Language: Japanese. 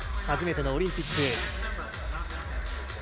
初めてのオリンピック。